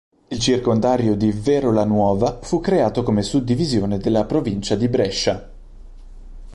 Il circondario di Verolanuova fu creato come suddivisione della provincia di Brescia.